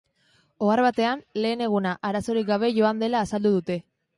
Ohar batean, lehen eguna arazorik gabe joan dela azaldu dute.